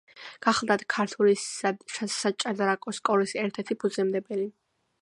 გახლდათ, ქართული საჭადრაკო სკოლის ერთ-ერთი ფუძემდებელი.